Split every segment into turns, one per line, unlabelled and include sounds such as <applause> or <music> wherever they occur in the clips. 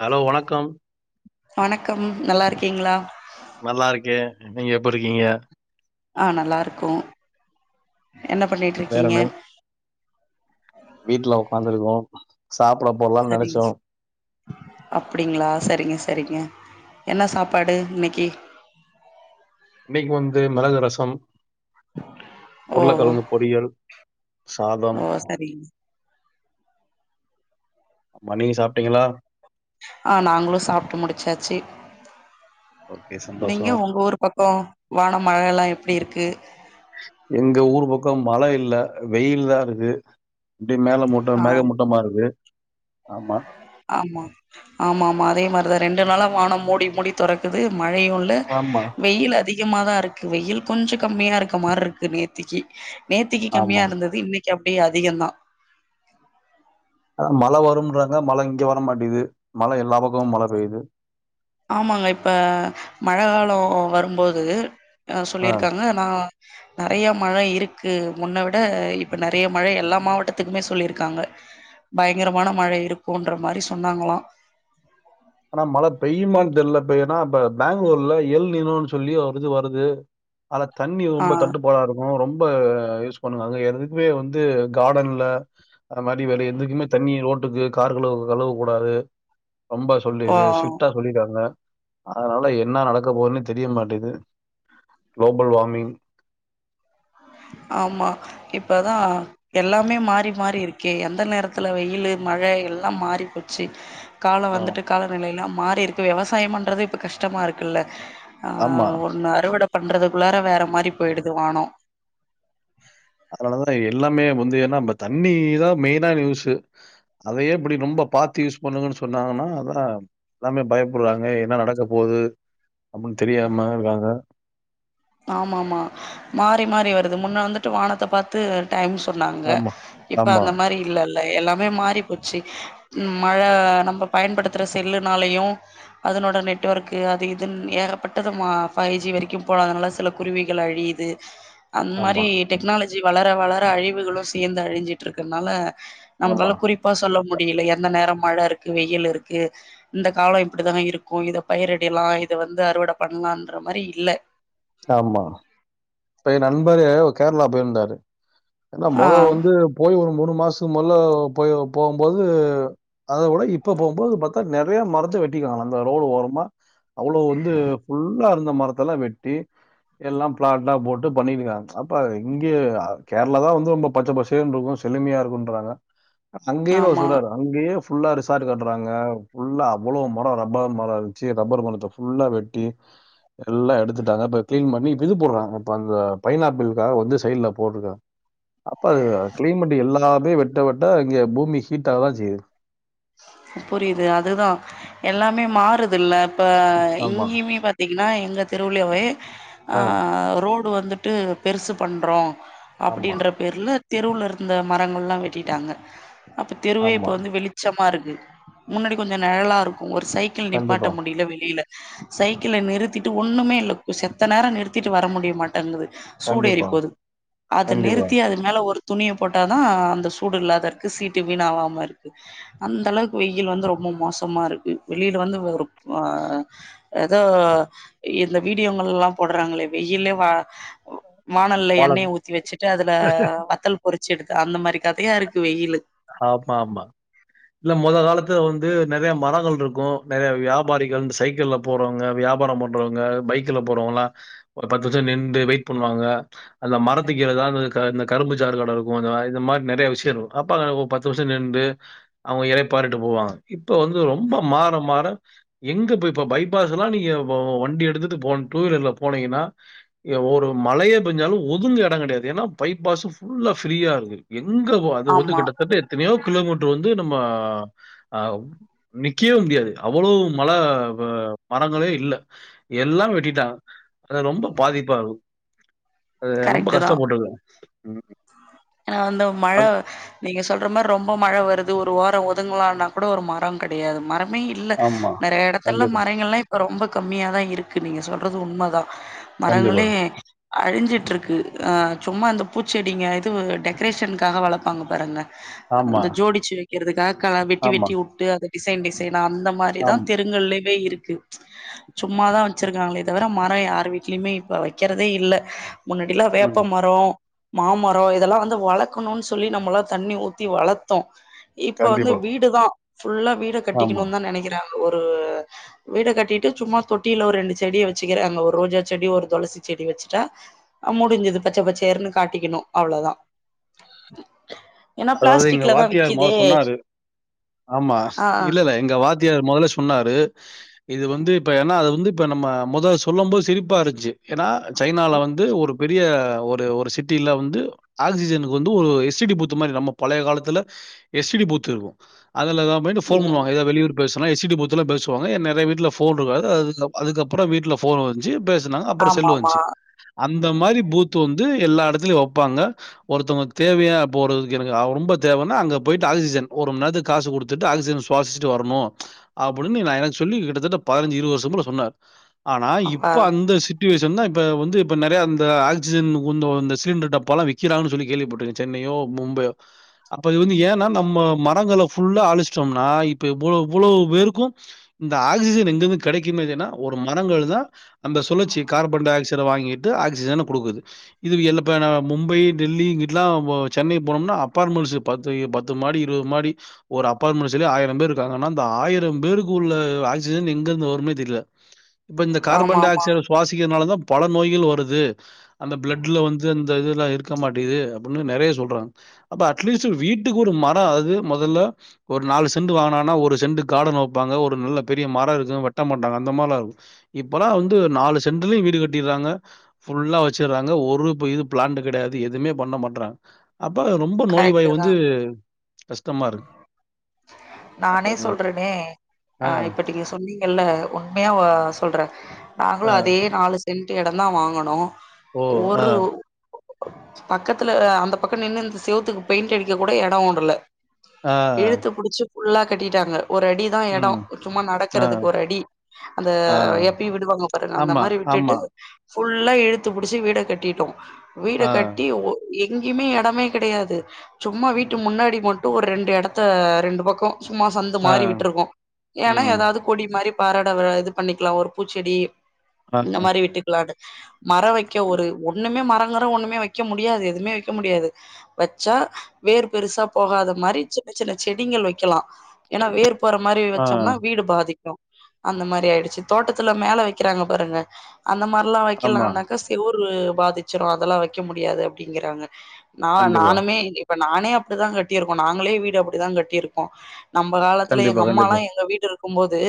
Hello வணக்கம்
வணக்கம் நல்லா இருக்கீங்களா
நல்லா இருக்கே நீங்க எப்டி இருக்கீங்க
ஆ நல்லாயிருக்கோ என்ன பண்ணிட்டுருக்கீங்க
வீட்டுல உ்காந்துருக்கோ சாப்பிட போடலானு
சரிங்க
நினைச்சோ
அப்டிங்களா செரிங்க செரிங்க என்ன சாப்பாடு இன்னைக்கு
இன்னைக்கு வந்து மிளகு ரசம்
ஓ
உருளைக்கிழங்கு பொறியல் சாதம்
ஓ சரிங்க
மணி சாப்பிட்டீங்களா
ஆ நாங்களு சாப்பிட்டு முடிச்சாச்சு
ஓகே
நீங்க
சந்தோஷம்.
உங்க ஊர் பக்கோ வான மழ எல்லா எப்டி இருக்கு
எங்க ஊர் பக்கோ மழ இல்ல வெயில் தா இருக்கு அப்டியே மேக மூட்ட
ஆ
மேக மூட்டமா இருக்கு ஆமா
ஆமா ஆமா ஆமா அதே மாதிரிதா ரெண்டு நாளா வானம் மூடி மூடி துறக்குது மழையு இல் ல
ஆமா,
வெயில் அதிகமாதா இருக்கு வெயில் கொஞ்ச கம்மியா இருக்குர மாரு இருக்கு நேத்திக்கு நேத்திக்கு
ஆமா.
கம்மியா இருந்தது இன்னைக்கு அப்டியே அதிகம் தா
ஆ மழ வரும்ன்றாங்க மழ இங்க வர மாட்டுகிறது மழ எல்லா பக்கமும் மழ பெய்து
ஆமாங்க இப்போ மழைக்காலோ வரும்போது
ஆ.
சொல்லியிருக்காங்க நா நெறையா மழ இருக்கு முன்ன விட இப்ப நெறையா மழ எல்லா மாவட்டத்துக்குமே சொல்லியிருக்காங்க பயங்கரமான மழ இருக்கும்ன்ற மாதிரி சொன்னாங்களா
ஆனா மழ பெய்யுமான்னு தெரியல இப்ப ஏன்னா இப்ப பெங்களூர்ல எல்நீரோன்னு சொல்லி ஒரு இது வருது ஆத தண்ணி
ஆ
ரொம்ப தட்டு போல இருக்கு ரொம்ப யூஸ் பண்ணுங்க அங்க எதுக்குமே வந்து கார்டன்ல அது மாதிரி வேற எதுக்குமே தண்ணி ரோட்டுக்கு கார்கள கழுவக்கூடாது ரொம்ப சொல்லி
ஓ
சிஸ்டா சொல்லிடாங்க அதனால என்ன நடக்க போதுன்னே தெரிய மாட்டேங்குது க்ளோபல் வார்னிங்
ஆமா இப்பதா எல்லாமே மாறி மாறி இருக்கே எந்த நேரத்துல வெயிலு மழ எல்லாம் மாறி போச்சு காலம்
ஆ
வந்துட்டு காலநிலையெல்லா மாறி இருக்கு விவசாயம் பண்றது இப்போ கஷ்டமா இருக்குல்ல
ஆமா.
ஒண்ணு அறுவட பண்றதுக்குள்ளார வேற மாதிரி போயிடுது வானம்
அதனாலதா எல்லாமே வந்து ஏன்னா நம்ப தண்ணிதா மெயினான யூஸ்ஸு அதையே இப்படி ரொம்ப பாத்து யூஸ் பண்ணுங்கன்னு சொன்னாங்கன்னா அதா எல்லாமே பயப்படுறாங்க என்ன நடக்கப் போது ஒன்னு தெரியாம இருக்காங்க
ஆமாமா மாறி மாறி வருது முன்ன வந்துட்டு வானத்த பாத் து டைம் சொன்னாங்க
ஆமா,
இப்ப
ஆமா,
அந்த மாரி இல்லல்ல எல்லாமே மாறி போச்சு மழ நம்ப பயன்படுத்துற செல்லுனாலையு அதனோட நெட்ஒர்க்கு அது இதுன் ஏகப்பட்டது மா ஃபைவ் ஜி வரைக்கும் போறதுனால சில குருவிகள் அழியுது அந்த மாரி
ஆமா,
டெக்னாலஜி வளர வளர அழிவுகளும் சேர்ந்து அழி்சிட்டு இருக்கனால
ஆமா,
நம்பளால குறிப் பா சொல்ல முடியல எந்த நேரம் மழ இருக்கு வெயில் இருக்கு இந்த காலம் இப்டிதான் இருக்கும் இத பயிரிடலாம் இத வந்து அறுவட பண்ணலான்ற மாரி இல்ல
ஆமா இப்ப ஏ நண்பரு கேரளா போயிருந்தாரு ஏன்னா
ஆ
மொதோ வந்து போய் ஒரு மூணு மாசத்துக் முல்ல போய் போம்போது அத விட இப்ப போம்போது பாத்தா நெறைய மரத்த வெட்டிக்கானுங்க அந்த ரோடு ஓரமா அவ்வளோ வந்து ஃபுல்லா இருந்த மரத்தெல்லா வெட்டி எல்லா ப்ளாட் லா போட்டு பண்ணியிருக்காங்க அப்போ இங்கே கேரளா தா வந்து ரொம்ப பச்ச பசேல்னு இருக்கு செலுமையா இருக்குன்றாங்க அங்கேய அவ
ஆமா
சொல்றாரா அங்கேயே ஃபுல்லா ரிசார்ட் கட்டுறாங்க ஃபுல்லா அவ்வளோ மர ரப்பர் மர இருந்துச்சு ரப்பர் மரத்த ஃபுல்லா வெட் டி எல்லா எடுத்துட்டாங்க இப்ப கிளீன் பண்ணி இப்ப இது போட்றாங்க இப்ப அந்த பைனாப்பிளுக்காக வந்து சைட்ல போட்ருக்காங்க அப்ப அது கிளைமெட் எல்லாமே வெட் ட வெட்ட இங்க பூமி ஹீட்டாவ தா செய்து
புரியுது அதுதா எல்லாமே மாறுது இல்ல இப்ப
ஆமா.
இங்கயுமே பாத் பாத்தீங்கன்னா எங்க தெருவிலேவே ஆ ரோடு வந்துட்டு பெருசு பண்றோ
ஆமா,
அப்டின்ற பேர்ல தெருவுல இருந்த மரங்கள்லா வெட்டிட்டாங்க அப்போ தெருவே இப்போ
ஆமா.
வந்து வெளி ச்சமா இருக்கு முன்னாடி கொஞ்ச நெழலா இருக்குமன ஒரு சைக்கிள் நிப்பாட்ட
கண்டிப்பா,
முடியல வெளியில சைக்கிள நிறுத்திட்டு ஒண்ணுமே இல்ல செத்த நேர நிறுத்திட்டு வர முடியமாட் தங்குது
கண்டிப்பா,
சூடேறிப்போது அத
கண்டிப்பா.
நிறுத்தி அத மேல ஒரு துணிய போட்டாதா அந்த சூடு இல்லாத இருக்கு சீட்டு வீணாவாம இருக்கு அந்தளவுக்கு வெயில் வந்து ரொம்ப மோசமா இருக்கு வெளியில வந்து ஒரு ஆ ஏதோ இந்த வீடியோங்கள்லா போடுறாங்களே வெயிலே வா வானல்ல
வாழ
எண்ணெய ஊத்தி வச்சுட்டு அதுல வத்தல் பொறிச்சி எடுத்து அந்த மாரி கதையா இருக்கு வெயிலு
ஆமா ஆமா இல்ல மொதோ காலத்துல வந்து நெறைய மரங்கள் இருக்கு நெறைய வியாபாரிகள் இந்த சைக்கிள்ல போறவங்க வியாபாரம் பண்றவங்க பைக்ல போறவங்கள்லா ஒரு பத்து நிமிஷ நிண்டு வெயிட் பண்ணுவாங்க அந்த மரத்துக்கீழ ஏதாது இந்த கரும்பு சாறு கட இருக்கும் இந்த மாரி நெறைய விஷய இருக்கு ப்பாங்க ஒரு பத்து நிம்ஷ நிண்டு அவுங்க இறைப்பாரிட்டு போவாங்க இப்ப வந்து ரொம்ப மாற மாற எங்க போய் இப்ப பைபாஸ் எல்லா நீங்க வ வண்டி எடுத்துட்டு போ டூவீலர்ல போனீங்கன்னா ஏ ஒரு மழையே பேஞ்சாலு ஒதுங்கு எட கெடையாது ஏன்னா பைபாஸு ஃபுல்லா ஃப்ரீயா இருக்கு எங்க ப்போ அது வந்து
ஆமா
கிட்டத்தட்ட எத்தனையோ கிலோமீட்டர் வந்து நம்ம ஆ நிக்கவே முடியாது அவ்வளோ மழ வ மரங்களே இல்ல எல்லா வெட்டிட்டா அது ரொம்ப பாதிப்பாகு அது ரொம்ப
கரெக்ட்டு
கஷ்டப்பட்ருக்கு
ஏனா அந்த மழ நீங்க சொல்ற மாரி ரொம்ப மழ வருது ஒரு ஒரோ ஒதுங்கலாம்னா கூட ஒரு மர கடையாது மர மே இல்ல
ஆமா.
நெறைய எடத்துல
கண்டிப்பா,
மரங்கள்ல்லா இப் போ ரொம்ப கம்மியாதா இருக்கு நீங்க சொல்றது உண்மதா
கண்டிப்பா.
மரங்களே அழிஞ்சிட்டு இருக்கு ஆ சும்மா அந்த பூச்செடிங்க இது டெக்கரேஷனுக்காக வளப்பங்க பாருங்க
ஆமா,
அந்த ஜோடிச்சு வைக்கிறதுக்காக கலவெட்டி
ஆமா,
வெட்டி வுட்டு அத டிசைன் டிசைனா அந்த மாரிதா
ஆம்.
தெருங்கலயே இருக்கு சும்மாதா வச்சிருக்காங்களே தவர மரோ யார் வீட்லையுமே இப்ப வைக்கிறதே இல்ல முன்னாடில்லா
ம்.
வேப்ப மரோ மா மரோ இதெல்லா வந்து வளக்கணுன்னு சொல்லி நம்மல்லா தண்ணி ஊத்தி வளத்தோ இப்ப வந்து
கண்டிப்பா.
வீடுதா ஃபுல்லா வீட
ஆமா.
கட்டிக்கணு தா நெனைக்கிறாங்க ஒரு வீட கட்டிட்டு சும்மா தொட்டியில ஒரு ரெண்டு செடிய வச்சுக்கிறாங்க ஒரு ரோஜா செடி ஒரு துளசி செடி வச்சுட்டா ஆ முடிஞ்சது பச்ச பச்சர்ன்னு காட்டிக்கணு அவ்ளோதா ஏன்னா
அதாவ்து இங்க
பிளாஸ்டிக்ல தா
வாத்தியார் மாற
விக்கிதே
சொன்னாரு ஆமா
ஆ
இல்லலே எங்க வாத்தியார் மொதல சொன்னாரு இது வந்து இப்ப ஏன்னா அது வந்து இப்ப நம்ம மொதல சொல்லு போது சிரிப்பா இருந்துச்சு ஏன்னா சைனால வந்து ஒரு பெரிய ஒரு ஒரு சிட்டியில வந்து ஆக்சிஜனுக்கு வந்து ஒரு எஸ் டி டி பூத் து மாரி நம்ம பழைய காலத்துல எஸ் டி டி பூத்து இருக்கு அதுலதா போய்ட்டு ஃபோன் பண்ணுவாங்க எதா வெளியூர்க் பேசுனா எஸ் டி டி பூத்துல பேசுவாங்க எ நெறைய வீட்ல ஃபோன் இருக்காது அதுக்கப் அதுக்கப்பறோ வீட்ல ஃபோன் வந்ச்சு பேசுனாங்க அப்பறோ
ஆமா
செல்லு
ஆமா
வந்ச்சு அந்த மாரி பூத்து வந்து எல்லா எடத்துலயு வைப்பாங்க ஒருத்தவங்களுக்கு தேவையா போறதுக்கு எனக்கு ஆ ரொம்ப தேவன்னா அங்க போய்ட்டு ஆக்சிஜன் ஒருமண் நேரத்துக்கு காசு குடுத்துட்டு ஆக்சிஜன் சுவாசிட்டு வர்ணு அப்டின்னு நா எனக்கு சொல்லி கிட்டத்தட்ட பதினஞ்சு இருவ வர்ஷ <unintelligible> சொன்னார் ஆனா
அப்ப
இப்ப அந்த சிட் <unintelligible> தா இப்ப வந்து இப்ப நெறைய அந்த ஆக்சிஜன் கொண்டு வந்த சிலிண்டர் டப்பலா விற்கிறாங்கனு சொல்லி கேள்விப்பட்டிருங்க சென்னையோ பும்பையோ அப்ப அது வந்து ஏன்னா நம்ம மரங்கள ஃபுல்லா அழிச்சிட்டோம்னா இப்ப இவ்வளோ இவ்வளோ பேருக்கு இந்த ஆக்சிஜன் எங்கிருந்து கெடைக்குன் பாத்தின்னா ஒரு மரங்கள் தா அந்த சுழற்சி கார்பன் டை ஆக்ச சைட வாங்கிட்டு ஆக்சிஜன்ன குடுக்குது இது எல்ல இப்ப நா மும்பை டெல்லி இங்கலா <unintelligible> சென்னை போனம்னா அபார்ட்மெண்ட்ஸ்ஸு பத்து <unintelligible> பத்து மாடி இருவது மாடி ஒரு அபார்ட்மெண்ட்ஸுலே ஆயரோ பேரு இருக்காங்கனா அந்த ஆயிர பேருக்கு உள்ள ஆக்சிஜன் எங்க இருந்து வரும்மே தெர்ல இப்ப இந்த
ஆமா
கார்பன் டை
ஆமா
ஆக்சைடு சுவாசிக்கிறதனால தா பல நோய்கள் வருது அந்த பிளட்ல வந்து அந்த இதெல்லா இருக்க மாட்டேங்குது அப்டின்னு நெறைய சொல் றாங்க அப்ப அட்லீஸ்ட் வீட்டுக்கு ஒரு மரோ அது மொதல்ல ஒரு நாலு செண்டு வாங்கனாங்கன்னா ஒரு செண்டு காடன் வைப்பாங்க ஒரு நல்ல பெரிய மர இருக்கு வெட்ட மாட்டாங்க அந்த மாரில்லா இருக்கு இப்பல்லா வந்து நாலு சென்ட்டுலியு வீடு கட்டிறாங்க ஃபுல்லா வச்சிட்றாங்க ஒரு இப்ப இது பிளான்ண்ட் கிடையாது எதுவுமே பண்ண மாட்டறாங்க அப்ப ரொம்ப நோய்வாய்
கரெக்ட்டு
வந்து கஷ்டமா இருக்கு.
நானே சொல்றேனே அ
ஆ,
இப்பட்டிங்க சொன்னி கெல்ல உண்மையா ஓ சொல்ற நாங்களு
ஆ,
அதே நாலு சென்டு எடோ தா வாங்குனோ
ஓ! ஆ,
ஒரு பக்கத்துல அந்த பக்க நின்னு இந்த சேவுத்துக்கு பெயிண்ட் அடிக்க கூட எடோவுடுல
ஆ,
இழுத்து புடிச்சு ஃபுல்லா கட்டிட்டாங்க ஒரு அடிதான் இடம்
ம்,
சும்மா
ஆ,
நடக்கிறதுக்கு ஒரு அடி அந்த
ஆ.
எப்படி விடுவாங்க பாருங்க அந்த
ஆமா,
மாரி விட்டுட்டு
ஆமா.
ஃபுல்லா இழுத்து புடிச்சு வீட கட்டிட்டோம் வீட
ஆ.
கட்டி எங்கேயுமே இடமே கெடையாது சும்மா வீட்டு முன்னாடி மட்டும் ஒரு ரெண்டு எடத்த ரெண்டு பக்கம் சும்மா சந்து
ஆ.
மாரி விட்ருக்கோ ஏன்னா
ம்.
ஏதாவது கொடி மாரி பறட இது பண்ணிக்கலாம் ஒரு பூச்செடி
ஆ,
இந்த மாரி விட்டு க்கலான்னு மரம் வைக்க ஒரு ஒண்ணுமே மரங்கிரம் ஒண்ணுமே வைக்க முடியாது எதுமே வைக்க முடியாது வச்சா வேரு பெருசா போகாத மாரி சின்ன சின்ன செடிகள் வைக்கலாம் ஏன்னா வேர் போற மாரி
ஆ.
வச்சோம்னா வீடு பாதி க்கும் அந்த மாரி ஆயிடுச்சு தோட்டத்துல மேல வைக்கிறாங்க பாருங்க அந்த மாரிலாம்
ஆமா.
வைக்கலாம் செவுரு பாதிச்சிரும் அதல்லாம் வைக்க முடியாது அப்படிங்கிறாங்க நா
கண்டிப்பா.
நானுமே இப்ப நானே அப்படிதான் கட்டியிருக்கோம் நாங்களே வீடு அப்படிதான் கட்டியிருக்கோ நம்ம காலத்துல
கண்டிப்பா,
எங்க அம்மால்லா
கண்டிப்பா.
எங்க வீடு இருக்கும் போது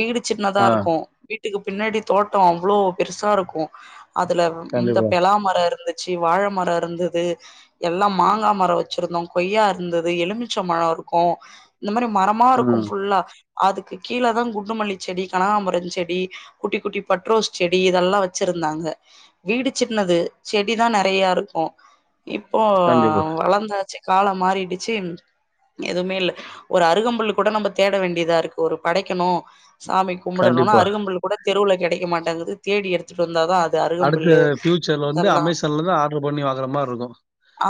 வீடு சின்னதா
ஆ.
இருக்கும் வீட்டுக்கு பின்னாடி தோட்டம் அவ்வளோ பெருசா இருக்கும் அதுல இந்த
கண்டிப்பா.
பெலாமரம் இருந்து ச்சி வாழ மரம் இருந்தது எல்லாம் மாங்கா மரம் வச்சிருந்தோம் கொய்யா இருந்தது எலுமிச்ச பழம் இருக்கும் இந்த மாரி மரமா இருக்கும்
ம்.
ஃபுல்லா அதுக்கு கீழதா குண்டுமல்லி செடி கனகாம்பரம் செடி குட்டி குட்டி பட்ரோஸ் செடி இதெல்லா வச்சிருந்த அங்க வீடு சின்னது செடிதா நெறயா இருக்கு இப்போ
கண்டிப்பா,
வளந்தாச்சு காலம் மாறிடிச்சு எதுவுமே இல்ல ஒரு அருகம்புல் கூட நம்ம தேட வேண்டியதா இருக்கு ஒரு படைக்கணும் சாமி கும்பிடனுன்னா
கண்டிப்பா.
அருகம்புல் கூட தெருவுல கெடைக்க மாட்டங்குது தேடி எடுத்துட்டு வந்தா தான் அது
அடுத்த
அருகம்புல்லு
ஃபியூச்சர்ல வந்து
இதெல்லா
அமேசான்லதா ஆர்டரு பண்ணி வாங்குற மாரி இருக்கும்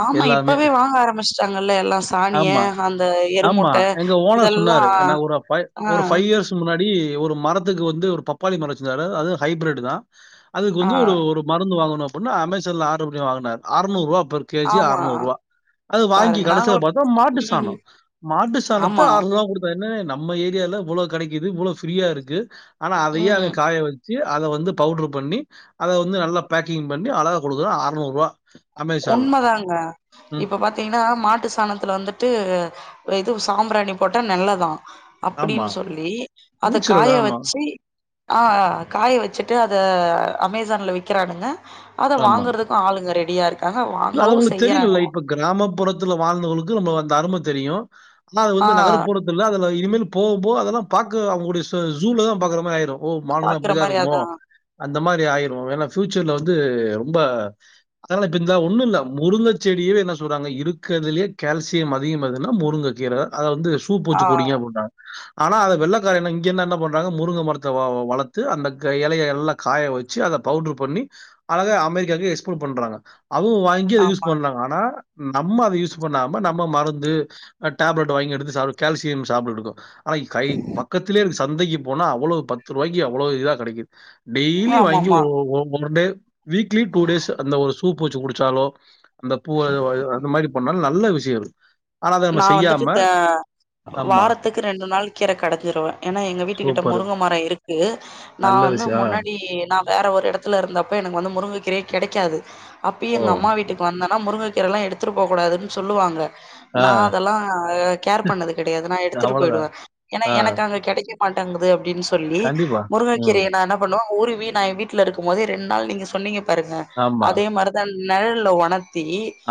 ஆமா
எல்லாமே.
இப்பவே வாங்க ஆரம்பிச்சுட்டாங்கல்ல எல்லாம்
ஆமா ஆமா எங்க ஓனர்
இதெல்லா
சொன்னாரு ஒரு பைய
ஆ
ஒரு ஃபைவ் இயர்ஸ் க்கு முன்னாடி ஒரு மரத்துக்கு வந்து ஒரு பப்பாளி மரம் வச்சிருந்தாரு அது ஹைப்ரெட் தான் அதுக்கு
ஆ
வந்து ஒரு மருந்து வாங்கணும் அப்டினா அமேசான்ல ஆர்டர் பண்ணி வாங்குனாரு அறநூறு ரூபா கேஜி
ஆமா
அறநூறு ரூவா அது வாங்கி
பாருங்க
கடைசில
நாங்களு
பாத்தா மாட்டு
ம்
சாணம் மாட்டு சாணத்த
ஆமா
அறநூறு குடுத்தா என்ன நம்ம ஏரியால அவ்வளோ கெடைக்குது இவ்ளோ ஃபிரீயா இருக்கு ஆனா அதையே அவ
ம்
காய வச் சி அத வந்து பவுடர் பண்ணி அத வந்து நல்லா பேக்கிங் பண்ணி அழகா குடுக்குறா அறநூறு ரூவா
உண்மதாங்க இப்ப பாத் பாத்தீங்கன்னா மாட்டு சாணத்துல வந்துட்டு இது சாம்பிராணி போட்டா நல்லதான்
ஆமா.
அப்படின்னு சொல்லி அத
நேச்சுரல்
காய
ஆமா,
வச்சி ஆ காய வச்சுட்டு அத அமேசான்ல விக்கிறானுங்க அத
ஆமா.
வாங்கறதுக்கு ஆளுங்க ரெடியா இருக்
இல்ல அது அவுங்களுக்கு தெரியலல்ல இப்ப கிராமப்புறத்துல வாழ்ந்தவங்களுக்கு நம்ம அந்த அரும தெரியும் அத
ஆ
வந்து நகரப்புறத்துல அதுல இனிமே போக போக அதெல்லா பாக்க அவுங்களுடைய ஜூல தான் பாக்குற மாரி ஆயிரும் ஓ மாடுனா
பாக்குற
அப்டிதா
மாரி
இருக்குமோ
அதா
அந்த மாரி ஆயிரும் ஏன்னா ஃபியூச்சர்ல வந்து ரொம்ப அதனால அதா ஒன்னுல்ல முருங்க செடியே என்ன சொல்றாங்க இருக்கறதுலே கால்சியம் அதிகமாதுனா முருங்க கீரதா அத வந்து சு சூப்
ஆ
வச்சு குடிங்க அப்டின்டாங்க ஆனா அவ வெள்ளக்கார என்ன இங்க என் என்ன பண்றாங்க முருங்க மரத்த வ வளத்து அந்த க எலய எல்லா காய வச்சு அத பவுட்ரு பண்ணி அழகா அமெரிக்காக்கு எக்ஸ்ஃபோர்ட் பண்றாங்க அவுங்க வாங்கி அத யூஸ்
ஆமா
பண்றாங்க ஆனா நம்ம அத யூஸ் பண்ணாம நம்ம மருந்து டேப்லெட் வாங்கி எடுத்து சாப் கால்சியம் சாப்ட்டுட்ருக்கோ ஆனா கை பக்கத்திலேருக்கு சந்தைக்கு போனா அவ்ளோ பத்து ரூவாய்க்கு அவ்ளோ இதா கெடக்கிது டெய்லீ வாங்கி
ஆமாமா
ஒரு ஒரு one day weekly two days அந்த ஒரு சூப் வச்சு குடிச்சாலு அந்த பூவ அ அ அந்த மாரி பண்ணாலு நல்ல விஷயோ இரு
நா வந்துட்டு தே
ஆமா.
வாரத்துக்கு ரெண்டு நாள் கீர கடஞ்சிருவே ஏன்னா எங்க வீட்டுகிட்ட
சூப்பரு.
முருங்க மரோ இருக்கு நா
நல்ல
வந்து
விஷயம். ஆ.
முன்னடி நா வேற ஒரு எடத்துல இருந்தப்ப எனக்கு வந்து முருங்க கிரயே கெடைக்காது அப்ப
ஓ!
எங்க அம்மா வீட்டுக்கு வந்தன் னா முருங்கக்கீரல்லா எடுத்துட்டு போகூடாதுன்னு சொல்லுவாங்க
ஆ.
நா அதெல்லா கேர் பண்ணது கெடையாது நா எடுத்துட்டு போயிடுவே
அவ்வளதான்.
ஏன்னா
ஆ.
எனக்கு அங்க கெடைக்கா மாட்டாங்கிது அப்டின்னு சொல்லி
கண்டிப்பா. ம்.
முருங்கக்கீரையனானாப் பண்ணுவோ ஊருவி நா வீட்ல இருக்குபோதே ரெண்டு நாள் நீங்க சொன்னீங்க பாருங்க
ஆமா,
அதே மாரி நன் நெழல்ல ஒணத்தி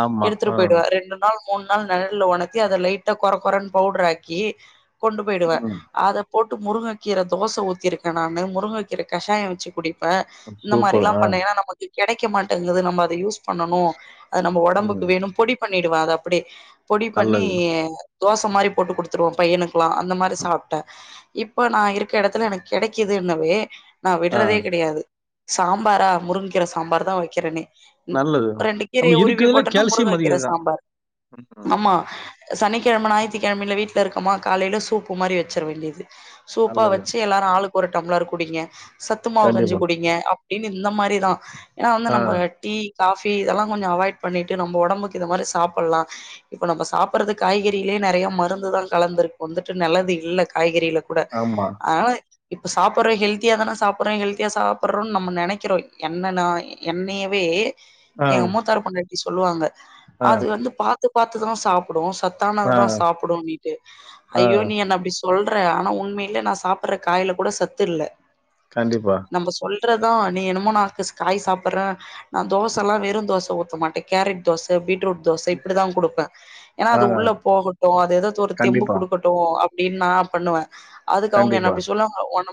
ஆமா. ஆ.
எடுத்துட்டு போய்டுவே ரெண்டு நாள் மூணு நாள் நெழல்ல ஒணத்தி அத லைட்டா கொர கொரன் பவுடராக்கி கொண்டு போயிடுவே
ம்.
அதப் போட்டு முருங்கக்கீர தோச ஊத்திருக்கே நானு முருங்கக்கீர கஷாயோ வச்சு குடிப் ப இந்த
சூப்பர்.
மாரில்லா
ஆ.
பண்ணே ஏன்னா நமக்கு கெடைக்க மாட்டேங்குது நம்ம அத யூஸ் பண்ணணு அது நம்ம ஒடம்புக்கு
ம்.
வேணு பொடி பண்ணிடுவே அத அப்டியே பொடி பண்ணீ
நல்லது.
தோச மாரி போட்டு குடுத்துருவே பையனுக்கெல்லா அந்த மாரி சாப்ட்டே இப்ப நா இருக்க எடத்துல எனக்கு கெடைக்குதுன்னவே நா
ஆ.
விட்றதே கெடயாது சாம்பாரா முருங்கீர சாம்பார்தா வைக்கிறனே
நல்லது நம்ம இருக்குறதில கேல்சியம்
முருங்கக்கீர
அதிகதுதா
சாம்பார் ஆமா சனிக்கெழம ஞாயித்துக்கெழமில்ல வீட்ல இருக்கமா காலைல சூப்பு மாரி வச்சிட வேண்டியது சூப்பா
நல்லது.
வச்சு எல்லாரோ ஆளுக்கு ஒரு டம்ளர் குடிங்க சத்து மாவு கஞ்சி
கண்டிப்பா.
குடிங்க இனி இந்த மாரிதா ஏனா வந்து
ஆ.
நம்ப டீ காஃபி இதல்லா கொஞ்சோ அவாய்ட் பண்ணிட்டு நம்ப ஒடம்புக்கு இதமாறி சாப்டலா இப்ப நம்ப சாப்ர்றது காய்கறிலே நெறைய மருந்து தா கலந்துருக்குன்ட்டு நல்லது இல்ல காய்கறில கூட
ஆமா.
அதனால இப்ப சாப்பிட்றோ ஹெல்த்தியாதானா சாப்புட்றோ ஹெல்தியா சாப்ட்றோன்னு நம்ம நெனக்கிறோ என்னென்னா என்னயவே
ஆ.
எங்க மூத்தாரூ பொண்டாட்டி சொல்லுவாங்க
ஆ.
அது வந்து பாத்து பாத்துதா சாப்டூ சத்
ஆ.
சத்தானதுதா சாப்டூன்ட்டு
ஆ.
ஐயோ நீ என்ன அப்டி ஸ் சொல்றே ஆனா உண்மில நா சாப்ற காய்ல கூட சத்துல்ல
கண்டிப்பா.
நம்ம சொல் ல்றதூ நீ என்னமோ நாக்குஸ் காய் சாப்ற நா தோசல்லா வெறும் தோச ஊத்த மாட்டே கேரட் தோச பீட்ரூட் தோச இப்டிதா குடுப்பே ஏன்னா
ஆ.
அது உள்ள போகட்டுவ அது எதாது ஒரு தெம்பு
கண்டிப்பா,
குடுக்கு ட்டோ அப்டின்னு நா பண்ணுவே அதுக்கு அவுங்க என்ன
கண்டிப்பா.
அப்டி சொல்வாங்க ஒன்